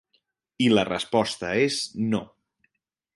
I la resposta és no.